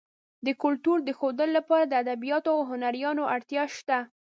د کلتور د ښودلو لپاره د ادبیاتو او هنرونو اړتیا شته.